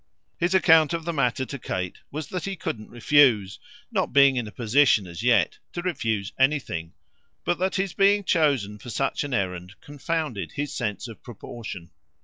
His account of the matter to Kate was that he couldn't refuse not being in a position as yet to refuse anything; but that his being chosen for such an errand confounded his sense of proportion.